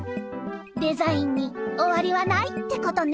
デザインにおわりはないってことね。